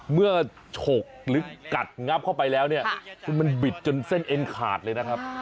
เมื่อฉกหรือกัดงับเข้าไปแล้วมันบิดจนเส้นเอ็นขาดเลยนะครับ